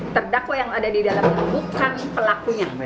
terdakwa yang ada di dalamnya bukan pelakunya